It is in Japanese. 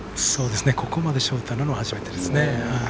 ここまでショートなのは初めてですね。